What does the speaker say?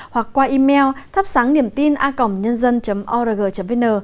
hoặc qua email thapsangniemtina org vn